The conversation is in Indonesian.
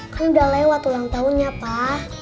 kan udah lewat ulang tahunnya pak